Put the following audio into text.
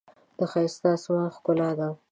ښایست د آسمان ښکلا ده